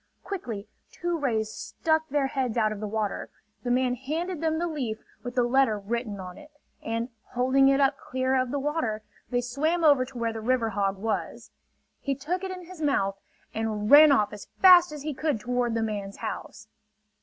Quickly two rays stuck their heads out of the water. The man handed them the leaf with the letter written on it; and holding it up clear of the water, they swam over to where the river hog was. He took it in his mouth and ran off as fast as he could toward the man's house.